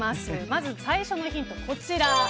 まず最初のヒントはこちら。